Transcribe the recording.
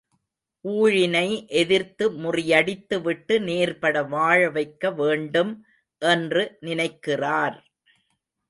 ஊழினை எதிர்த்து முறியடித்து விட்டு நேர்பட வாழவைக்க வேண்டும் என்று நினைக்கிறார்!